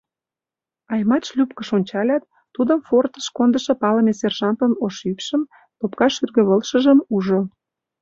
Аймат шлюпкыш ончалят, тудым фортыш кондышо палыме сержантын ош ӱпшым, лопка шӱргывылышыжым ужо.